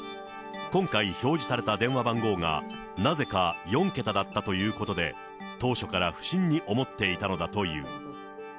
今回表示された電話番号が、なぜか４桁だったということで、当初から不審に思っていたのだという。